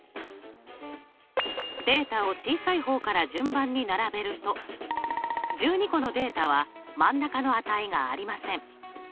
データを小さい方から順番に並べると１２個のデータは真ん中の値がありません。